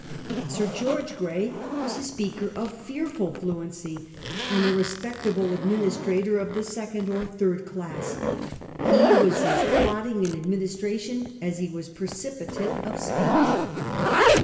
Sir George Grey was a speaker of fearful fluency, and a respectable administrator of the second or third class. He was as plodding in administration as he was precipitate of speech.